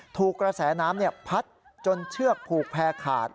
ถูกกระแสน้ำพัดจนเชือกผูกแพรขาด